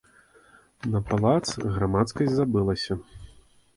На палац грамадскасць забылася.